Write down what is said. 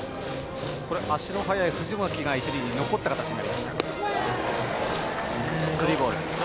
足の速い藤巻が一塁に残った形になりました。